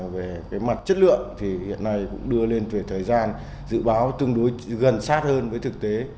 về mặt chất lượng thì hiện nay cũng đưa lên về thời gian dự báo tương đối gần sát hơn với thực tế